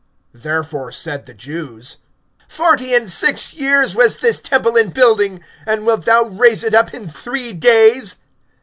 (20)Therefore said the Jews: Forty and six years was this temple in building, and wilt thou raise it up in three days?